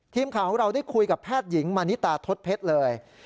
ทีมข่าวของเราได้คุยกับแพทย์หญิงมานิตาทศเพชรเลย